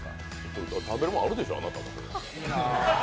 食べるもんあるでしょ、あなた。